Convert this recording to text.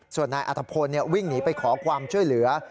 ส่วนนายอัตภพลวิ่งหนีไปขอความช่วยเหลือ